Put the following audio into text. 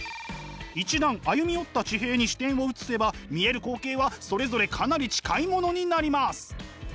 一段歩み寄った地平に視点を移せば見える光景はそれぞれかなり近いものになります。